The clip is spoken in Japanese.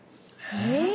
え？